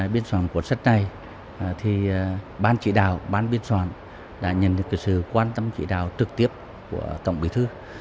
ban trị đào ban biên soạn đã nhận được sự quan tâm trị đào trực tiếp của tổng bí thư